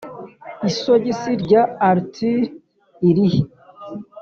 isogisi rya arthur irihe?